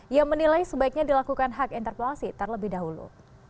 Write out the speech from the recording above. ia menilai sebaiknya dilakukan hak interpelasi terlebih dahulu